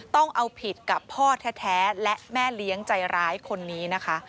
ต้องเอาผิดกับพ่อแท้และแม่เลี้ยงใจร้ายคนนี้นะคะ